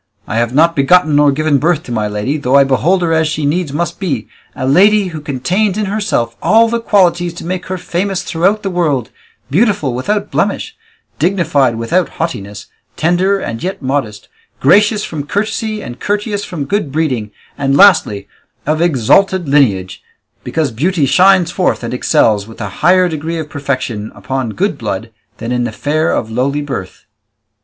I have not begotten nor given birth to my lady, though I behold her as she needs must be, a lady who contains in herself all the qualities to make her famous throughout the world, beautiful without blemish, dignified without haughtiness, tender and yet modest, gracious from courtesy and courteous from good breeding, and lastly, of exalted lineage, because beauty shines forth and excels with a higher degree of perfection upon good blood than in the fair of lowly birth."